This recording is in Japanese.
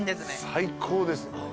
最高です。